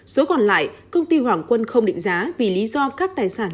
số còn lại công ty hoàng quân không định giá vì lý do các tài sản